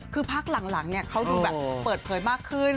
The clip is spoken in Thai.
คือพักหลังเขาดูแบบเปิดเผยมากขึ้น